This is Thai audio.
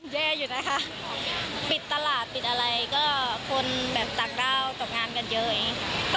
แย่อยู่นะคะปิดตลาดปิดอะไรก็คนแบบต่างด้าวตกงานกันเยอะอย่างนี้